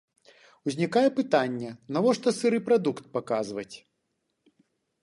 Узнікае пытанне, навошта сыры прадукт паказваць?